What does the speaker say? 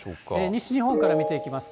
西日本から見ていきます。